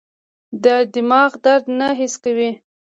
دماغ درد نه حس کوي.